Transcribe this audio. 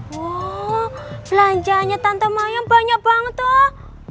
wow belanjaannya tante mayang banyak banget tuh